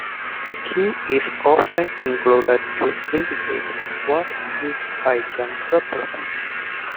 A key is often included to indicate what each icon represents.